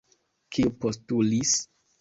Kiu postulis?